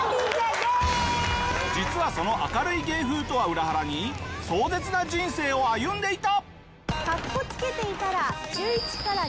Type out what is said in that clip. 実はその明るい芸風とは裏腹に壮絶な人生を歩んでいた！